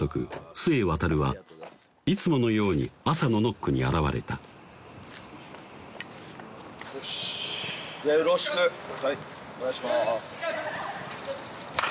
須江航はいつものように朝のノックに現れたよしじゃあよろしくお願いします